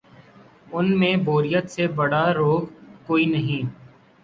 ان میں بوریت سے بڑا روگ کوئی نہیں۔